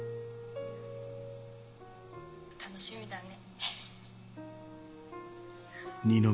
楽しみだね。